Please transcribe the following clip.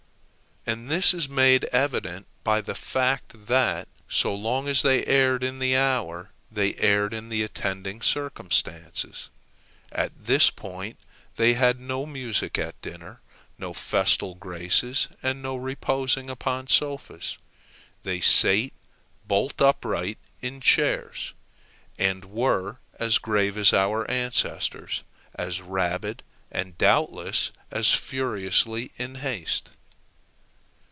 And this is made evident by the fact, that, so long as they erred in the hour, they erred in the attending circumstances. At this period they had no music at dinner, no festal graces, and no reposing upon sofas. They sate bolt upright in chairs, and were as grave as our ancestors, as rabid, and doubtless as furiously in haste.